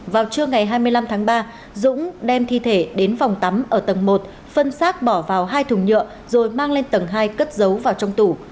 vào trưa ngày hai mươi năm tháng ba dũng đem thi thể đến phòng tắm ở tầng một phân xác bỏ vào hai thùng nhựa rồi mang lên tầng hai cất giấu vào trong tủ